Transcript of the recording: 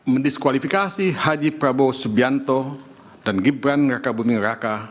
mendiskualifikasi haji prabowo subianto dan gibran raka buming raka